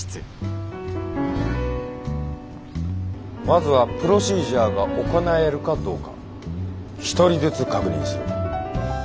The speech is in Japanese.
まずはプロシージャーが行えるかどうか１人ずつ確認する。